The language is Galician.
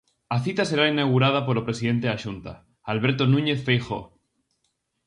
A cita será inaugurada polo presidente da Xunta, Alberto Núñez Feijóo.